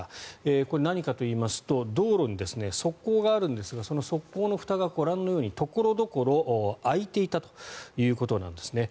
これ、何かといいますと道路に側溝があるんですがその側溝のふたが、ご覧のように所々空いていたということなんですね。